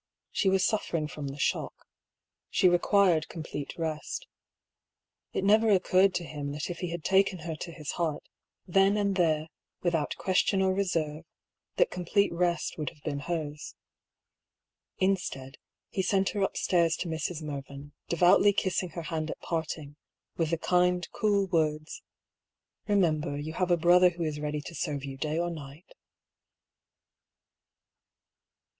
She was suffering from the shock. She required complete rest It never occurred to him that if he had taken her to his heart, then and there, without question or reserve, that complete rest 122 I>R. PAULL'S THEORY. would have been hers. Instead, he sent her upstairs to Mrs. Mervyn, devoutly kissing her hand at parting, with the kind, cool words : "Remember, you have a brother who is ready to serve you day or night."